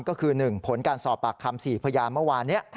ก็คือ๑ผลการสอบปากคำ๔พยานเมื่อวานนี้